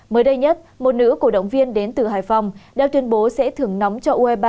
mới đây nhất một nữ cổ động viên đến từ hải phòng đã tuyên bố sẽ thưởng nóng cho u hai mươi ba